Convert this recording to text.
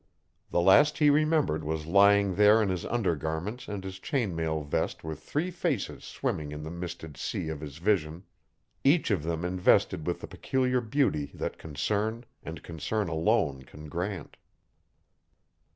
The last he remembered was lying there in his under garments and his chain mail vest with three faces swimming in the misted sea of his vision, each of them invested with the peculiar beauty that concern, and concern alone, can grant.